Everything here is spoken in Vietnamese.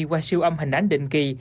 qua siêu âm hình ánh định kỳ